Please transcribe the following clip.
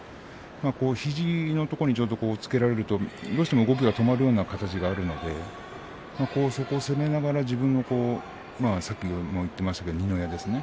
肘のところにちょうど押っつけられるとどうしても動きが止まるような形があるのでそこを攻めながら自分のさっきも言っていましたけど二の矢ですね